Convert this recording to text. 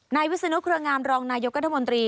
นายวิศนุกรงามรองนายกรมนตรี